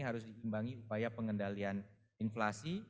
harus diimbangi upaya pengendalian inflasi